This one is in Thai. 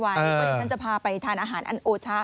วันนี้ฉันจะพาไปทานอาหารอันโอชะ